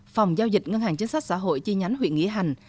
phòng giao dịch ngân hàng chính sách xã hội chi nhánh huyện nghĩa hành